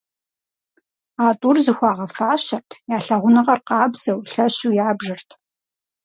А тӏур зыхуагъэфащэрт, я лъагъуныгъэр къабзэу, лъэщу ябжырт.